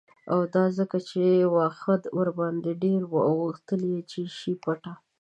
او دا ځکه چې واښه ورباندې ډیر و او غوښتل یې چې شي پټه